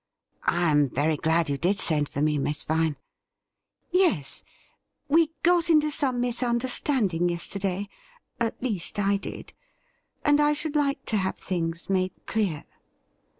' I am very glad you did send for me, Miss Vine ''' Yes ; we got into some misunderstanding yesterday —■ at least, I did — and I should like to have things made clear.'